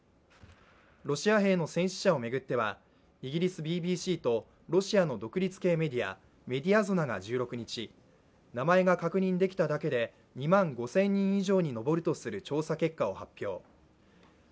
ロシア兵の戦死者を巡ってはイギリスＢＢＣとロシアの独立系メディアメディアゾナが１６日、名前が確認できただけで２万５０００人以上に上るとする調査結果を発表。